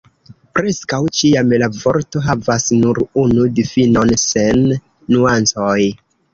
Preskaŭ ĉiam la vorto havas nur unu difinon, sen nuancoj.